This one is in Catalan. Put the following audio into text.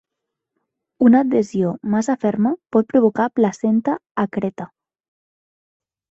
Una adhesió massa ferma pot provocar placenta accreta.